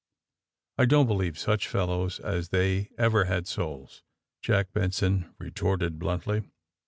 ^^I don't believe such fellows as they ever had. souls!" Jack Benson retorted bluntly.